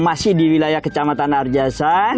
masih di wilayah kecamatan arjasan